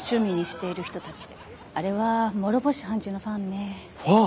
あれは諸星判事のファンね。